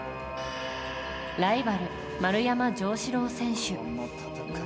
ライバル、丸山城志郎選手。